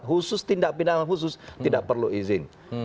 khusus tindak pidana khusus tidak perlu izin